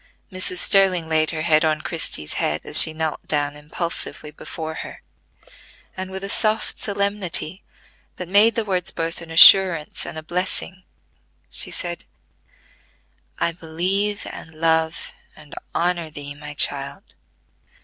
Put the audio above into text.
Mrs. Sterling laid her hand on Christie's head, as she knelt down impulsively before her, and with a soft solemnity that made the words both an assurance and a blessing, she said: "I believe and love and honor thee, my child.